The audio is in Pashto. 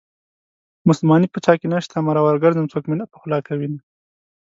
مسلماني په چاكې نشته مرور ګرځم څوك مې نه پخولاكوينه